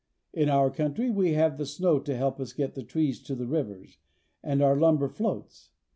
In our country we have the snow to help us get the trees to the rivers, 230 PARAGUAY. and our lumber floats.